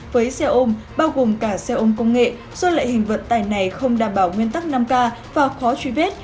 với xe ôm bao gồm cả xe ôm công nghệ do loại hình vận tải này không đảm bảo nguyên tắc năm k và khó truy vết